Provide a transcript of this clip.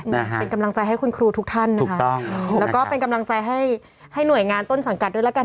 เป็นกำลังใจให้คุณครูทุกท่านนะฮะแล้วก็เป็นกำลังใจให้หน่วยงานต้นสังกัดด้วยละกัน